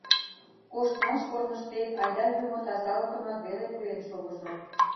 Коштмаш корныштет айда юмо тазалыкымак веле пуэн шогыжо.